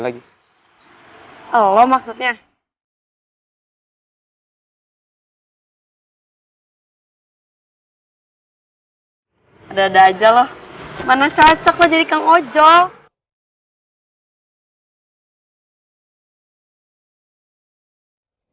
jadi lo gak perlu aplikasi ini lagi